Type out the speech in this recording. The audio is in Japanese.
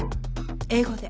英語で。